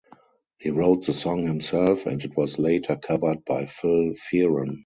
He wrote the song himself and it was later covered by Phil Fearon.